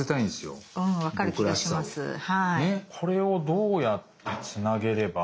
これをどうやってつなげれば。